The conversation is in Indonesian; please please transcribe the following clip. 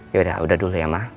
yaudah udah dulu ya mah